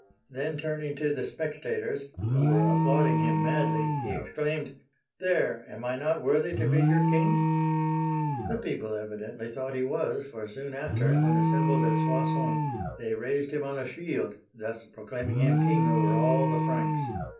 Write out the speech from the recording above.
Then turning to the spectators, Digitized by Google PEPIN THE SHORT (752 768) 67 who were applauding him madly, he exclaimed, " There, am I not worthy to be your king ?" The people evidently thought he was, for soon after, when assembled at Soissons, they raised him on a shield, thus proclaiming him king over all the Franks.